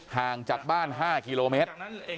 ห่างจากบ้าน๕กิโลเมตร